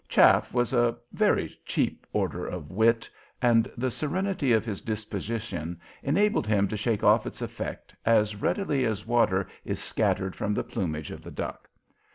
"Chaff" was a very cheap order of wit, and the serenity of his disposition enabled him to shake off its effect as readily as water is scattered from the plumage of the duck.